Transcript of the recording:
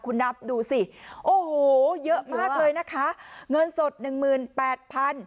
คุณนับดูสิโอ้โหเยอะมากเลยนะคะเงินสดหนึ่งหมื่นแปดพัน